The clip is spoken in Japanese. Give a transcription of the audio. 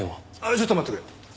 ちょっと待ってくれ。